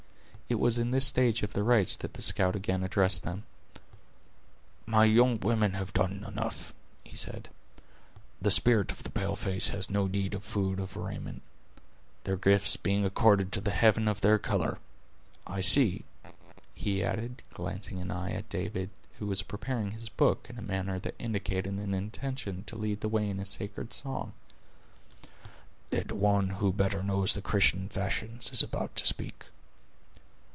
It was in this stage of the rites that the scout again addressed them: "My young women have done enough," he said: "the spirit of the pale face has no need of food or raiment, their gifts being according to the heaven of their color. I see," he added, glancing an eye at David, who was preparing his book in a manner that indicated an intention to lead the way in sacred song, "that one who better knows the Christian fashions is about to speak."